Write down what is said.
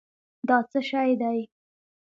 دا څه شی دی؟